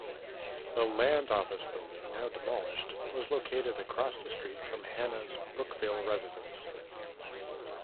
The land-office building, now demolished, was located across the street from Hanna's Brookville residence.